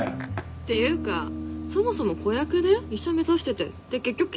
ていうかそもそも子役で医者目指しててで結局警察官って。